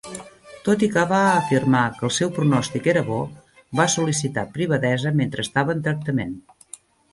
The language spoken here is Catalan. Tot i que va afirmar que el seu pronòstic era bo, va sol·licitar privadesa mentre estava en tractament.